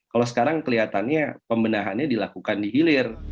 kalau sekarang kelihatannya pembenahannya dilakukan di hilir